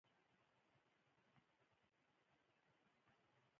انټي باډي د مکروبونو ضد جګړه کوي